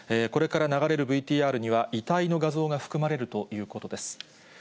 これから流れるＶＴＲには、遺体の画像が含まれるということです。